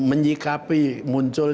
dan alternatif dari pbi itu adalah